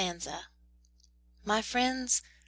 My friends!